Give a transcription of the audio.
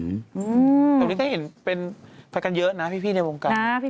ตอนนี้ก็เห็นเป็นไปกันเยอะนะพี่ในวงการ